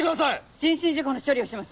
人身事故の処理をします。